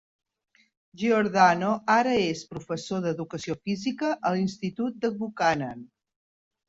Giordano ara és professor d'educació física a l'institut de Buchanan.